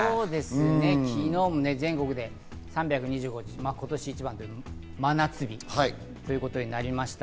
昨日も全国で３２５地点、真夏日ということになりました。